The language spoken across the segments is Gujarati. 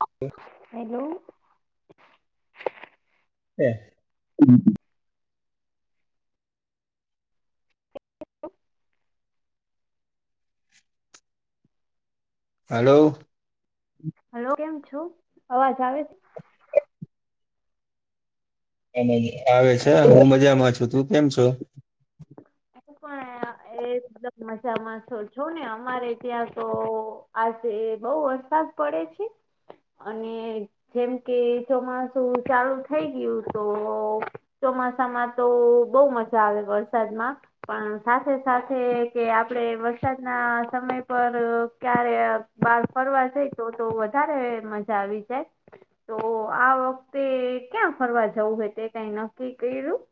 ઓકે. હેલો! [unintelligible] [unintelligible] હલો! હલો કેમ છો? અવાજ આવે‌ છે? આવે છે. હું મજામાં છું. તું કેમ છો? હું પણ અહીંયા. એ દમ મજામાં છો. છો ને? અમારે ત્યાં તો આજે બઉ વરસાદ પડે છે. અને જેમ કે ચોમાસું ચાલુ થઈ ગયું તો ચોમાસામાં તો બહુ મજા આવે વરસાદમાં. પણ સાથે-સાથે કે, આપડે વરસાદના સમય પર ક્યારે બહાર ફરવા જઈ તો તો, વધારે મજા આવી જાય. તો આ વખતે ક્યાં ફરવા જવું હોય? તે કઈ નક્કી કર્યું?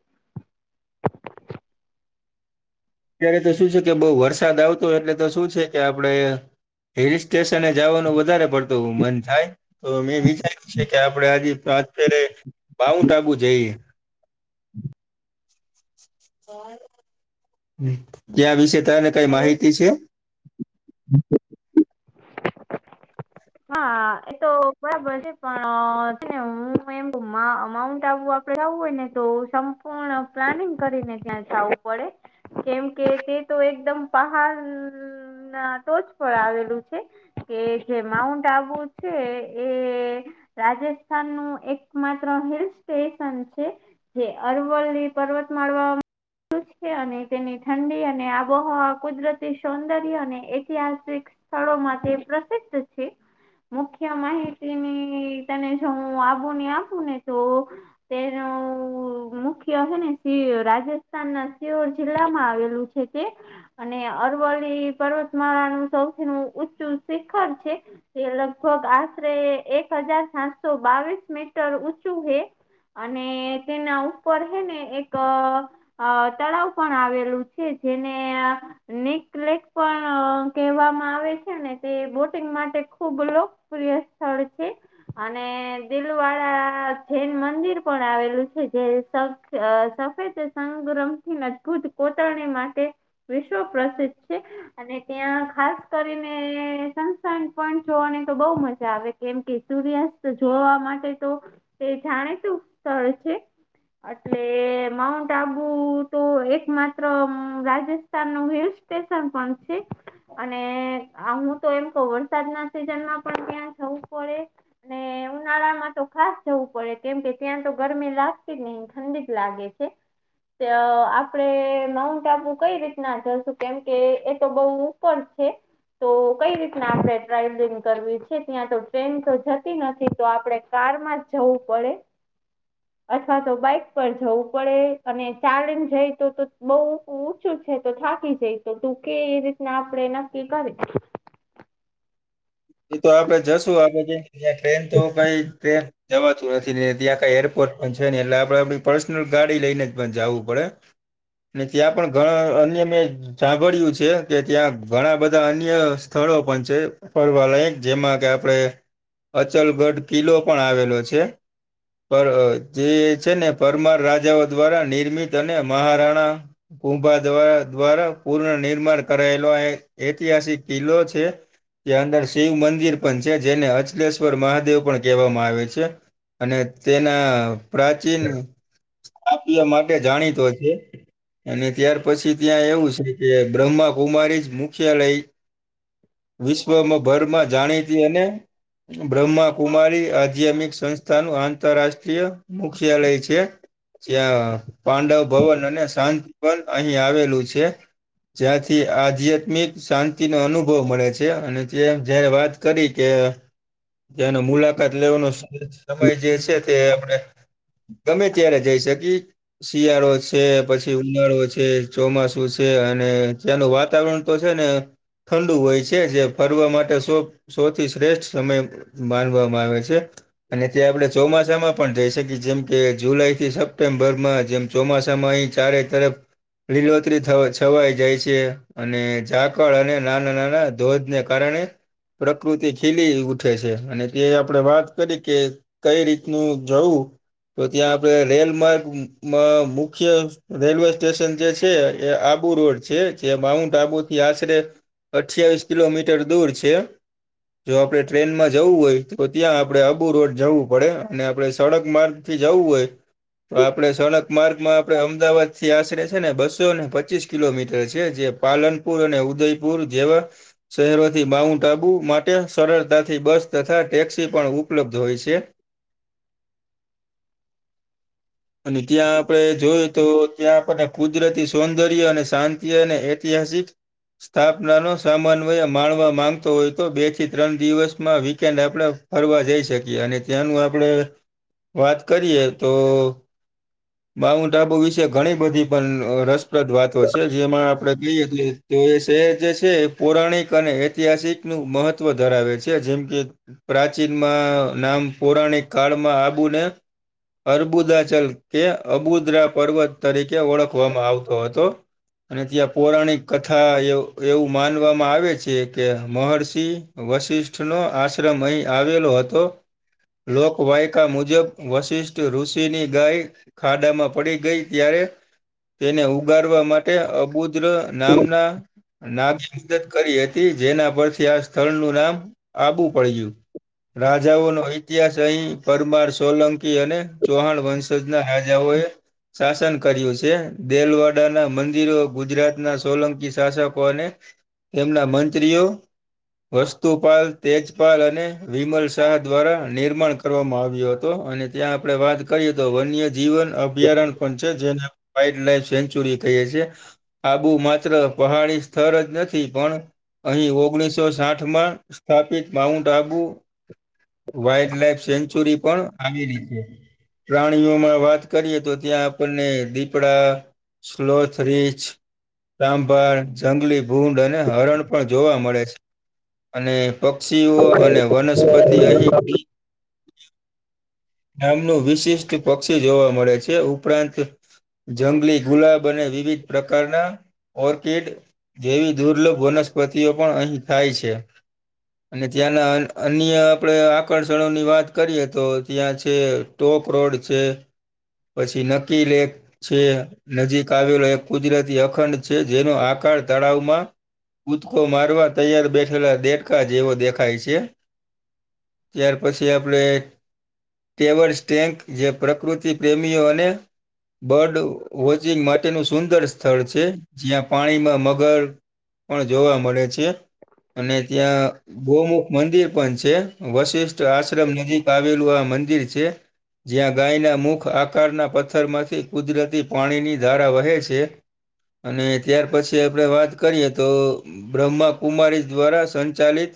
અત્યારે તો શું છે કે, બઉુ વરસાદ આવતો એટલે તો શું છે કે આપડે હિલ સ્ટેશને જવાનું વધારે પડતું મન થાય. તો મેં વિચાર્યું છે કે, આપડે આજે પ્રારથરે માઉન્ટ આબુ જઈએ. [unintelligible] ત્યાં વિશે તને કઈ એ માહિતી છે? [inaudible] હા એ તો બરાબર છે. પણ છેને હું એમ માઅ માઉન્ટ આબુ પડાવવુ હોય ને તો, સંપૂર્ણ પ્લાનિંગ કરીને ત્યાં જાવું પડે. કેમ કે, તે તો એકદમ પહાડ ના ટોચ પર આવેલું છે. કે જે માઉન્ટ આબુ છે એ રાજસ્થાન નું એક માત્ર હિલ સ્ટેશન છે. જે અરવલ્લી પર્વતમાળમા આવેલું છે, અને તેની ઠંડી અને આપ બહુ કુદરતી સૌંદર્ય અને ઐતિહાસિક સ્થળોમાં તે પ્રસિદ્ધ છે. મુખ્ય માહિતીની તને જો હું આબુની આપું ને તો તેનું મુખ્ય હે ને સિ રાજસ્થાન ના સિવર જિલ્લા માં આવેલું છે. છે અને અરવલ્લી પર્વતમાળા નું સૌથી નું ઊંચું શિખર છે. એ લગભગ આશરે એક હજાર સાતસો બાવીસ મીટર ઊંચું હે. અને તેના ઉપર હે ને એક અ તળાવ પણ આવેલું છે જેને આ [unintelligible] પણ અ કહેવામાં આવે છે ને તે બોટિંગ માટે ખુબ લોકપ્રિય સ્થળ છે. અને દિલવાળ જૈન મંદિર પણ આવેલું છે જે શક અ સફેદ સંગ્રમથી રંગ અદભૂત કોતર માટે તે વિશ્વ પ્રસિદ્ધ છે. અને ત્યાં ખાસ કરીને સંસન પણ જોવાની તો બહું મજા આવે. કેમ કે સૂર્યાસ્ત જોવા માટે તો તે જાણીતું સ્થળ છે. એટલે માઉન્ટ આબુ તો એક માત્ર રાજસ્થાન નું હિલ સ્ટેશન પણ છે. અને હું તો એમ કહું વરસાદ ના સિઝન માં પણ ત્યાં જવું પડે. ને ઉનાળા માં તો ખાસ જવું પડે કેમ કે ત્યાં તો ગરમી લાગતી જ નહી ઠંડી જ લાગે. કે આપડે નવું [unintelligible] કઈ રીતના જશુ કેમ કે એ તો બઉ ઉપર છે. તો કઈ રીતના આપણે ટ્રાવલિંગ કરવી છે ત્યાં તો ટ્રેન તો જતી નથી તો આપણે કારમાં જ જવું પડે. અથવા તો બાઈક પર જવું પડે અને ચલેન જાય તો તો બઉ બહુ ઊંચું છે તો થાકી જઈ તો તું કે એ રીતના આપણેે નક્કી કરી. એ તો આપડે જશું આપડે ટ્રેન તો કઈ ટ્રેન જવાતું નથી ને ત્યાં કાઈ એરપોર્ટ પણ છે ને એટલે આપણે આપણી પર્સનલ ગાડી લઈને જ પણ જું પડે. ને ત્યાં પણ ઘણા અન્ય મેં સાંભળિયું છે કે ત્યાં ઘણા બધા અન્ય સ્થળો પણ છે. ફરવાલાયક જેમાં કે આપડે અચલગઢ કિલ્લો પણ આવેલો છે. પર જે છે ને પરમાર રાજાઓ દ્વારા નિર્મિત અને મહારાણા કુંભા દ દ્વારા પૂર્ન નિર્માણ કરાયેલો ઐતિહાસિક કિલ્લો છે. તેયા ના અંદર શિવ મંદિર પણ છે જેને અચલેશ્વર મહાદેવ પણ કહેવામાં આવે છે. અને તેના પ્રાચીન સભ્ય માટે જાણીતો છે. અને ત્યાર પછી ત્યાં એવું છે કે બ્રહ્માકુમારી જ મુખ્યાલય વિશ્વમાં ભરમાં જાણીતી અને બ્રહ્માકુમારી આધ્યાત્મિક સંસ્થાનું આંતરરાષ્ટ્રીય મુખ્યાલય છે. જ્યાં પાંડવ ભવન અને શાંતિ પણ અહીં આવેલું છે. જ્યાંથી આધ્યાત્મિક શાંતિનો અનુભવ મળે છે. [unintelligible] અને જે જયારે વાત કરી કે જેનો મુલા તકાત લેવાનો સમય જે છે તે આપણે ગમે ત્યારે જઈ શકીએ. શિયાળો છે પછી ઉનાળો છે ચોમાસું છે અને ત્યાંનું વાતાવરણ તો છે ને ઠંડુ હોય છે. કે જે ફરવા માટે સો સૌથી શ્રેષ્ઠ સમય માનવામાં આવે છે. અને જે આપણે ચોમાસામાં પણ જઈ શકીએ જેમ કે જુલાઈ થી સપ્ટેમ્બરમાં જેમ ચોમાસામાં અહીં ચારે તરફ લીલોતરી છવાઈ જાય છે અને ઝાકળ અને નાના નાના ધોજને કારણે પ્રકૃતિ ખીલી ઉઠે છે અને તે આપણે વાત કરી કે કઈ રીતનું જવું તો ત્યાં આપણે રેલ માર્ગ માં મુખ્ય રેલવે સ્ટેશન જે છે. એ આબુ રોડ છે જે માઉન્ટ આબુથી આશરે અઠ્યાવીસ કિલોમીટર દૂર છે. જો આપડણે ટ્રેનમાં જવું હોય તો ત્યાં આપડે અબુ રોડ જવું પડે અને આપડે સડક માર્ગ થી જવું હોય તો આપણે સડક માર્ગમાં આપણે અમદાવાદ થી આશરે છે ને બસો ને પચીસ કિલોમીટર છે જે પાલનપુર અને ઉદયપુર જેવા શહેરોથી માઉન્ટ આબુ માટે સરળતાથી બસ તથા ટેક્સી પણ ઉપલબ્ધ હોય છે. અને ત્યાં આપણે જોયએ તો ત્યાં આપણને કુદરતી સૌંદર્ય અને શાંતિ અને ઐતિહાસિક સ્થાપના નો સમન્વય માણવા માંગતો હોય તો બે થી ત્રણ દિવસમાં વીકેન્ડ આપણે ફરવા જઈ શકીએ અને ત્યાંનું આપણે વાત કરીએ તો માઉન્ટઆબુ વિશે ઘણી બધી પણ રસપ્રદ વાતો છે જેમાં આપડે કહીએ તો તો એ શહેર જે છે પૌરાણિક અને ઐતિહાસિક નું મહત્વ ધરાવે છે જેમ કે પ્રાચીનમાં નામ પૌરાણિક કાળમાં આબુને અરબુદા ચલ કે અબુદ્રા પર્વત તરીકે ઓળખવામાં આવતો હતો. અને ત્યાં પૌરાણિક કથા એ એવું માનવામાં આવે છે કે મહર્ષિ વશિષ્ઠનો આશ્રમ અહીં આવેલો હતો. લોકવાયકા મુજબ વશિષ્ઠ ઋષિની ગાય ખાડામાં પડી ગઈ ત્યારે તેને ઉગારવા માટે અબુદ્ર નામના નાભી મદત કરી હતી જેના પરથી આ સ્થળનું નામ આબુ પડયું. રાજાઓનો ઇતિહાસ અહીં પરમાર, સોલંકી અને ચૌહાણ વંશ શ જ ના રાજાઓએ શાસન કર્યું છે દેલવાડા ના મંદિરો ગુજરાત ના સોલંકી શાસકો અને તેમના મંત્રીઓ વસ્તુપાલ તેજપાલ અને વિમલ શાહ દ્વારા નિર્માણ કરવામાં આવ્યો હતો અને ત્યાં આપણે વાત કરીએ તો વન્ય જીવન અભ્યારણ્ય પણ છે જેને વાઈલ્ડ લાઈફ સેન્ચુરી કઈએ છીએ આબુ માત્ર પહાડી સ્થળ જ નથી પણ અહીં ઓગણીસો સાઠ માં સ્થાપિત માઉન્ટઆબુ વાઈલ્ડ લાઈફ સેન્ચુરી પણ આવેલી છે. પ્રાણીઓમાં વાત કરીએ તો ત્યાં આપણને દીપડા સ્લોથ રિચ તામ્બર જંગલી ભૂંડ અને હરણ પણ જોવા મળે છે અને પક્ષીઓ અને વનસ્પતિ અહીં નામનું વિશિષ્ટ પક્ષી જોવા મળે છે ઉપરાંત જંગલી ગુલાબ અને વિવિધ પ્રકારના ઓરગે જેવી દુર્લભ વનસ્પતિઓ પણ અહીં થાય છે. અને ત્યાંના અન અન્ય આપણે આકર્ષણોની વાત કરીએ તો ત્યાં છે ટોક રોડ છે પછી નકીલેક છે નજીક આવેલો એક કુદરતી અખંડ છે જેનો આકાર તળાવમાં કૂદકો મારવા તૈયાર બેઠેલા દેડકા જેવો દેખાય છે. ત્યાર પછી આપડે ટેવર્સ ટેન્ક જે પ્રકૃતિ પ્રેમીઓ અને બર્ડ વોચિંગ માટેનું સુંદર સ્થળ છે જ્યાં પાણીમાં મગર પણ જોવા મળે છે અને ત્યાં ગૌમુખ મંદિર પણ છે વશિષ્ઠ આશ્રમ નજીક આવેલું આ મંદિર છે. જ્યાં ગાયના મુખ આકારના પથ્થરમાંથી કુદરતી પાણીની ધારા વહે છે. અને ત્યાર પછી આપડે વાત કરીએ તો બ્રહ્માકુમારી દ્વારા સંચાલિત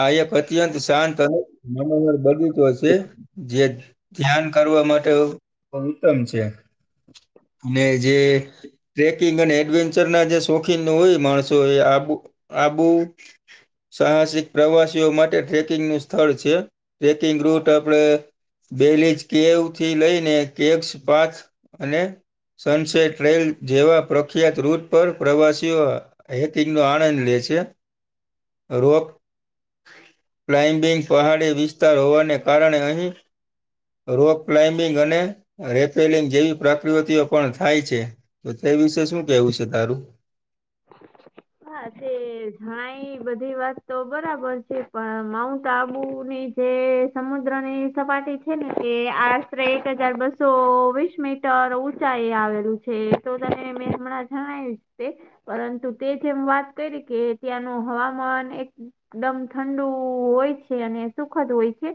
આ એક અત્યંત શાંત અને મનોહર બગીચો છે જે જ ધ્યાન કરવા માટે ઉત્તમ છે ને જે ટ્રેકિંગ અને એડવેન્ચર ના જે શોખીન હોય માણસો એ આ આબુ સાહસિક પ્રવાસીઓ માટે ટ્રેકિંગ નું સ્થળ છે ટ્રેકિંગ રૂટ આપડે બેલીજ કેવ થી લઈને કેક્સ પાથ અને સનસેટ રેલ જેવા પ્રખ્યાત રૂટ પર પ્રવાસીઓ હથીંગ નો આનંદ લે છે રોક. ક્લાઇમ્બિંગ પહાડી વિસ્તાર હોવાને કારણે અહીં. રોક ક્લાઇમ્બિંગ અને રેપેલિંગ જેવી પ્રકૃતિઓ પણ થાય છે. તો તે વિશે શું કેવું છે તારું. [inaudible] હા તે જણાય બધી વાત તો બરાબર છે પણ માઉન્ટ આબુ ની જે સમુદ્ર ની સપાટી છે ને કે આશરે એક હજાર બસો વીસમી તર ઊંચા એ આવેલું છે તો તમે મેં હમણાં જણાવ્યું તે પરંતુ તે જેમ વાત કરી કે ત્યાંનું હવામાન એક એકદમ ઠંડુ હોય છે અને સુખદ હોય છે.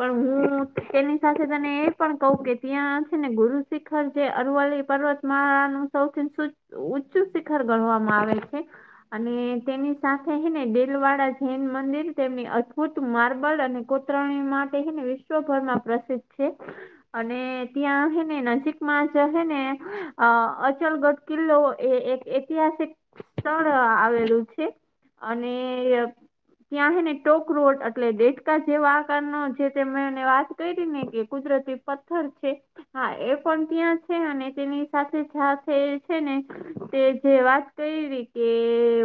પણ હું તેની સાથે તને એ પણ કહું કે ત્યાં છે ને ગુરુ શિખર જે અરવલ્લી પર્વત મહા નું સૌથી ઉચચ [unintelligible] ગણવામાં આવે છે. અને તેની સાથેને ડેલવાડા જૈન મંદિર તેમની અદભુત માર્બલ અને કો ત્રણે માટે હે ને વિશ્વભર માં પ્રસિદ્ધ છે. અને ત્યાં હે ને નજીકમાં જ છે ને આ અચલગઢ કિલ્લો એ એક ઐતિહાસિક સ્થળ આવેલું છે અને ત્યાં હે ને ટોક રોટ એટલે દેટકા જેવા આકારનો જે મેને વાત કરી ને કે કુદરતી પથ્થર છે. હા એ પણ ત્યાં છે અને તેની સાથે જા છે ને તે જે વાત કરીવી કે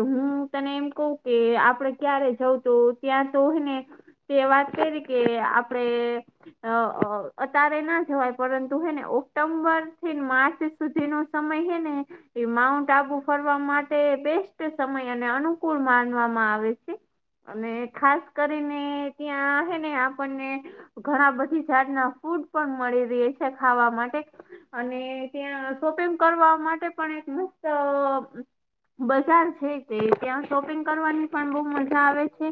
હું તને એમ કવુ કે આપડે ક્યારે જઉ તો ત્યાં તો હે ને તે વાત કરી કે આપડે આ અ અત્યારે ના જવાય પરંતુ હેને ઓક્ટોમ્બર થી માર્ચ સુધી નો સમય હે ને એ માઉન્ટ ટાબુ ફરવા માટે બેસ્ટ સમય અને અનુકૂળ માનવામાં આવે છે. અને ખાસ કરીને ત્યાં હે ને આપણને ઘણા બધી જાતના ફૂડ પણ મળી રહે છે ખાવા માટે. અને ત્યાં શોપિંગ કરવા માટે પણ એક મસ્ત બજાર છે તે ત્યાં શોપિંગ કરવાની પણ બહુ મજા આવે છે.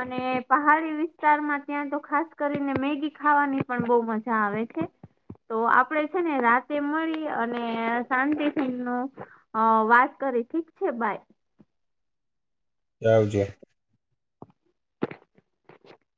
અને પહાડી વિસ્તારમાં ત્યાં તો ખાસ કરીને મેગી ખાવાની પણ બહુ મજા આવે છે. તો આપડે છે ને રાતે મળી અને શંતિ તી નું હ વાત કરી ઠીક છે બાય. [unintelligible] [inaudible]